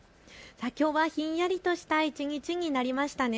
きょうはひんやりとした一日になりましたね。